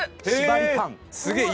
すげえ！